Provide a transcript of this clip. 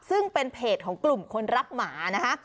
ซึ่งเป็นเพจของกลุ่มคนรับหมานะคะ